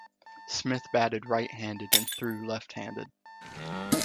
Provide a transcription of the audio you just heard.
Smith batted right-handed and threw left-handed.